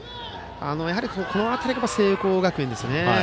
やはり、この辺りが聖光学院ですよね。